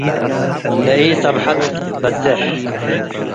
ለኢጸብሐት ትበዜሕ።